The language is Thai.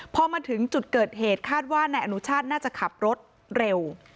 พอมาถึงจุดเกิดเหตุคาดว่านายอนุชาติน่าจะขับรถเร็ว